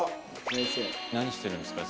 何してるんですか？